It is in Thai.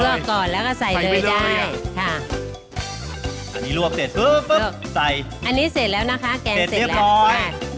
ค่ะลวกก่อนแล้วก็ใส่เลยได้ใส่ไปเลยค่ะอันนี้ลวกเสร็จปึ๊บปึ๊บใส่อันนี้เสร็จแล้วนะคะแกงเสร็จแล้วเสร็จเรียบร้อย